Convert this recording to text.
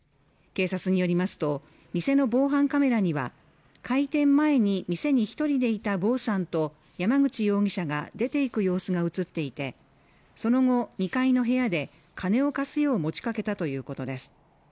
警察によりますと店の防犯カメラには開店前に店に一人でいたヴォさんと山口容疑者が出て行く様子が映っていてその後２階の部屋で金を貸すよう持ちかけたということです